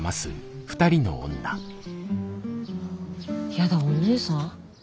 やだお姉さん？